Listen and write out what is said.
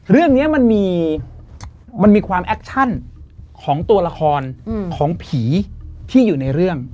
เรื่องนี้มันมีความแอคชั่นของตัวละครของผีที่อยู่ในเรื่อง